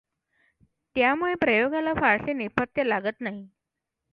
त्यामुळे प्रयोगाला फारसे नेपथ्य लागत नाही.